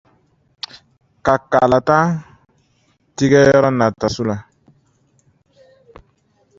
- ka kalanta tigɛyɔrɔ nata sula ;